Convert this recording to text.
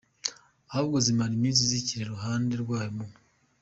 ahubwo zimara iminsi zikiri iruhande rwayo, mu.